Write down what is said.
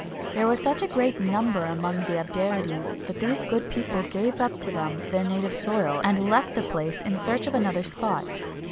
There was such a great number among the Abderites, that these good people gave up to them their native soil, and left the place in search of another spot.